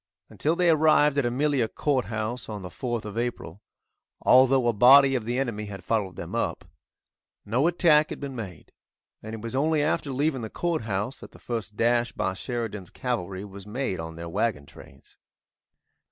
Until they arrived at Amelia Courthouse, on the 4th of April, although a body of the enemy had followed them up, no attack had been made, and it was only after leaving the Courthouse that the first dash by Sheridan's cavalry was made on their wagon trains.